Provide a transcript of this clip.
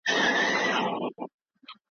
پېښې ثبت کړئ.